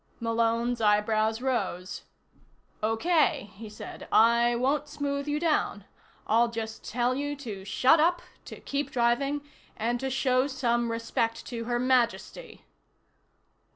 Malone's eyebrows rose. "Okay," he said. "I won't smooth you down. I'll just tell you to shut up, to keep driving and to show some respect to Her Majesty."